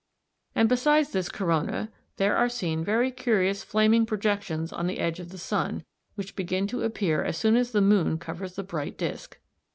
] And besides this corona there are seen very curious flaming projections on the edge of the sun, which begin to appear as soon as the moon covers the bright disc.